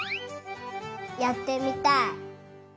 やってみたい。